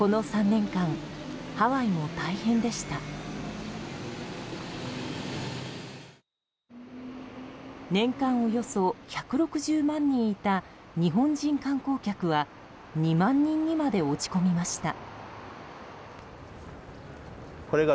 年間およそ１６０万人いた日本人観光客は２万人にまで落ち込みました。